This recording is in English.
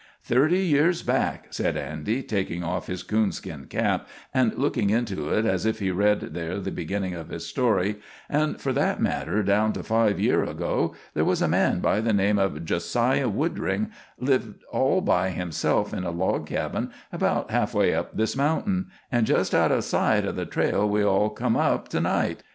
"Thirty years back," said Andy, taking off his coonskin cap, and looking into it as if he read there the beginning of his story, "and for that matter down to five year ago, there was a man by the name of Jo siah Woodring lived all by himself in a log cabin about half way up this mountain, and just out o' sight of the trail we all come up to night.